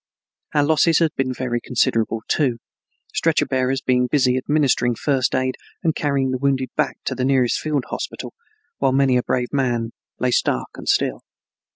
Our losses had been very considerable too, stretcher bearers being busy administering first aid and carrying the wounded back to the nearest field hospital, while many a brave man lay stark and still.